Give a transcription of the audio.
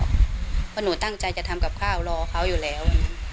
เพราะหนูตั้งใจจะทำกับข้าวรอเขาอยู่แล้ว